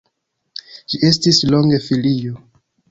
Ĝi estis longe filio.